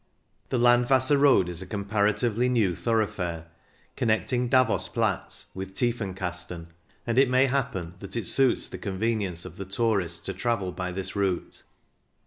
The Landwasser Road is a comparatively new thoroughfare, connecting Davos Platz with Tiefenkasten, and it may happen that it suits the convenience of the tourist to travel by this route.